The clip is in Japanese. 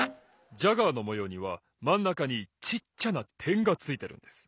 ジャガーのもようにはまんなかにちっちゃなてんがついてるんです！